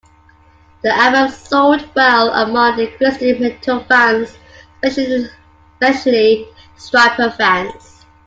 The album sold well among the Christian metal fans, especially Stryper fans.